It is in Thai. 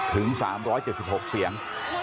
ถึง๓๗๖เสียง